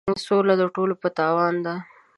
سوله د ټولو په تاوان ده.